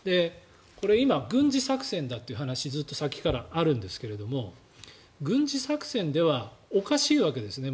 今、軍事作戦だという話ずっとさっきからありますが軍事作戦ではおかしいわけですね